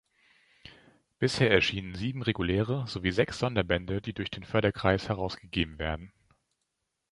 Bisher erschienen sieben reguläre sowie sechs Sonderbände, die durch den Förderkreis herausgegeben werden.